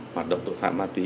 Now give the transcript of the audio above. hoạt động tội phạm ma túy